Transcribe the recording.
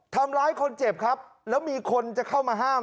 ทำร้ายคนเจ็บครับแล้วมีคนจะเข้ามาห้าม